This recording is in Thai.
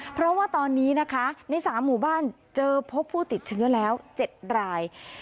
เพราะว่าตอนนี้นะคะใน๓หมู่บ้านเจอพบผู้ติดเชื้อแล้ว๗ราย